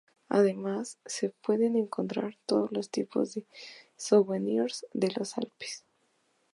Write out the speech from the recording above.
Además, se pueden encontrar todo tipo de souvenirs de los Alpes.